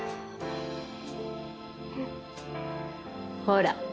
ほら。